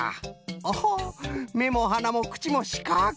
おほめもはなもくちもしかく。